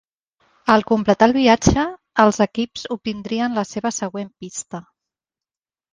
Al completar el viatge, els equips obtindrien la seva següent pista.